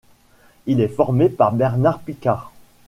Il est formé par Bernard Picart.